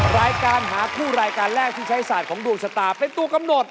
รายการหาคู่รายการแรกที่ใช้ศาสตร์ของดวงชะตาเป็นตัวกำหนด